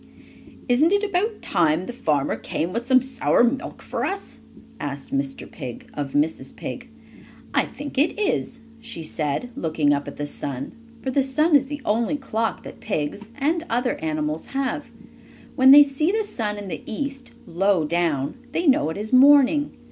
"Isn't it about time the farmer came with some sour milk for us?" asked Mr. Pig of Mrs. Pig. "I think it is," she said, looking up at the sun, for the sun is the only clock that pigs, and other animals, have. When they see the sun in the east, low down, they know it is morning.